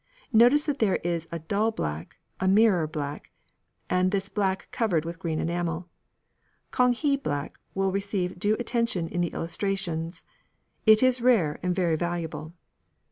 Notice that there is a dull black, a mirror black, and this black covered with green enamel. Kang he black will receive due attention in the illustrations. It is rare and very valuable.